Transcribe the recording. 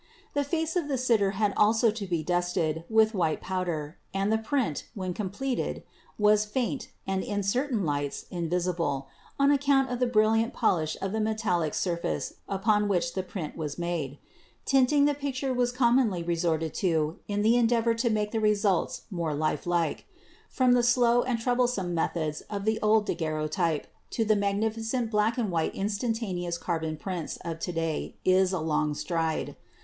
The face of the sitter had also to be dusted with white pow der, and the print, when completed, was faint, and in cer tain lights invisible, on account of the brilliant polish of the metallic surface upon which the print was made. Tinting the picture was commonly resorted to in the en REFLECTION AND REFRACTION 95 deavor to make the result more life like. From the slow and troublesome methods of the old daguerreotype to the magnificent black and white instantaneous carbon prints of to day is a long stride.